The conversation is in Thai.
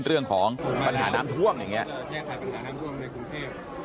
เรื่องของปัญหาน้ำท่วงอย่างนี้